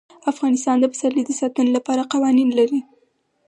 افغانستان د پسرلی د ساتنې لپاره قوانین لري.